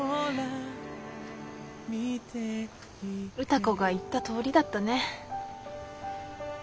歌子が言ったとおりだったね。